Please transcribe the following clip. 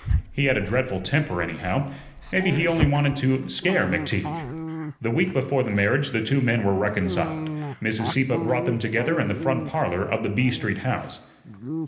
He had a dreadful temper, anyhow. Maybe he only wanted to scare McTeague. The week before the marriage the two men were reconciled. Mrs. Sieppe brought them together in the front parlor of the B Street house.